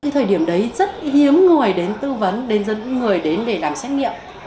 thời điểm đấy rất hiếm người đến tư vấn đến người đến để làm xét nghiệm